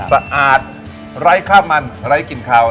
สะอาดไร้ข้าวมันไร้กลิ่นขาว